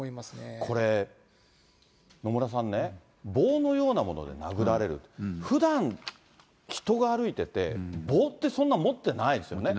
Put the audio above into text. これ、野村さんね、棒のようなもので殴られる、ふだん人が歩いてて、ないですね。